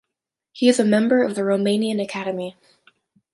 He is a member of the Romanian Academy.